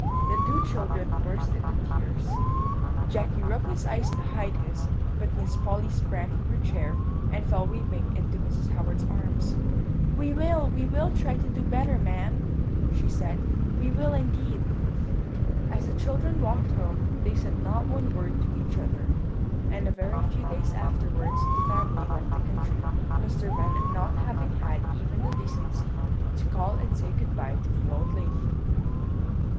The two children burst into tears; Jacky rubbed his eyes to hide his; but Miss Polly sprang from her chair, and fell weeping into Mrs. Howard's arms. "'We will, we will try to do better, ma'am,' she said; 'we will indeed.' "As the children walked home they said not one word to each other; and a very few days afterwards the family left the country, Mr. Bennet not having had even the decency to call and say good bye to the old lady.